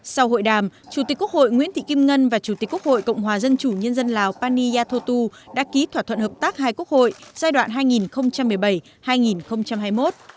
sau hội đàm chủ tịch quốc hội nguyễn thị kim ngân và chủ tịch quốc hội cộng hòa dân chủ nhân dân lào pani yathotu đã ký thỏa thuận hợp tác hai quốc hội giai đoạn hai nghìn một mươi bảy hai nghìn hai mươi một